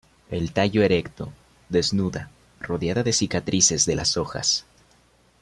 El tallo erecto, desnuda, rodeada de cicatrices de las hojas.